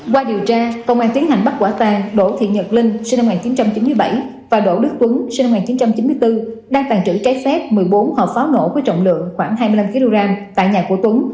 qua điều tra công an tiến hành bắt quả tàng đỗ thị nhật linh sinh năm một nghìn chín trăm chín mươi bảy và đỗ đức tuấn sinh năm một nghìn chín trăm chín mươi bốn đang tàn trữ trái phép một mươi bốn hộp pháo nổ với trọng lượng khoảng hai mươi năm kg tại nhà của tuấn